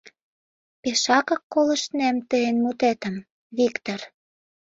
Пешакак колыштнем тыйын мутетым, Виктыр!